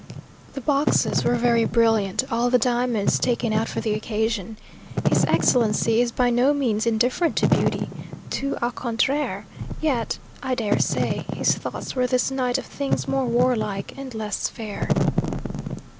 The boxes were very brilliant all the diamonds taken out for the occasion. His Excellency is by no means indifferent to beauty tout au contraire; yet I dare say his thoughts were this night of things more warlike and less fair.